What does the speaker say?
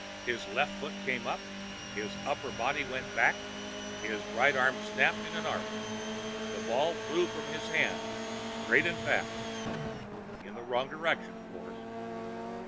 His left foot came up, his upper body went back, his right arm snapped in an arc. The ball flew from his hand, straight and fast. In the wrong direction, of course.